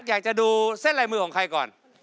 อยากจะดูเส้นลายมือของใครก่อน